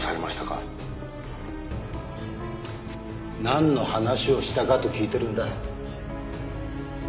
なんの話をしたかと聞いてるんだ。